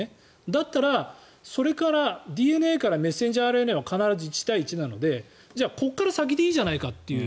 だったら、ＤＮＡからメッセンジャーＲＮＡは必ず１対１なのでじゃあ、ここから先でいいじゃないかという。